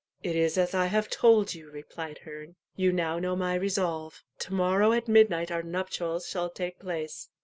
"It is as I have told you," replied Herne. "You now know my resolve. To morrow at midnight our nuptials shall take place."